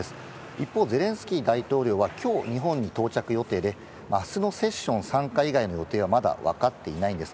一方、ゼレンスキー大統領は、きょう日本に到着予定で、あすのセッション参加以外の予定はまだ分かっていないんです。